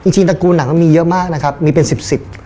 จริงตระกูลหนังมันมีเยอะมากนะครับมีเป็นสิบสิบ